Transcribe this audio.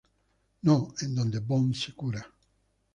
No", en donde Bond se cura.